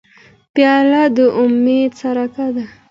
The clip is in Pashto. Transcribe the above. پیاله د امید څرک ده.